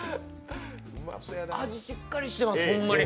味しっかりしてます、ホンマに。